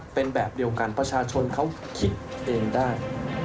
เป็นแบบเดียวกันประชาชนเขาคิดเองได้